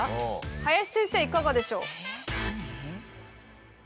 林先生いかがでしょう？